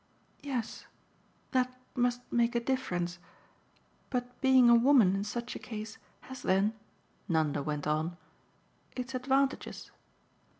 "Yes that must make a difference. But being a woman, in such a case, has then," Nanda went on, "its advantages."